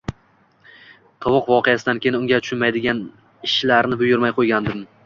Tovuq voqeasidan keyin unga tushunmaydigan ishlarini buyurmay qo`ygandim